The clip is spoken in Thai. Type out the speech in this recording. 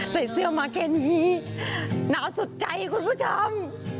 ใส่เสื้อมาแค่นี้หนาวสุดใจคุณผู้ชม